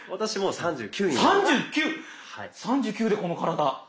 ３９⁉３９でこの体。